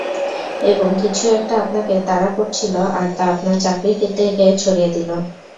এবং কিছু একটা আপনাকে তাড়া করছিল আর তা আপনার চারদিকে ছড়িয়ে ছিল।